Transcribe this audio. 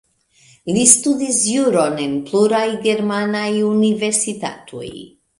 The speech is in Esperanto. Li studis juron en pluraj germanaj universitatoj.